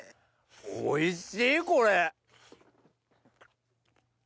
おいしいこれ！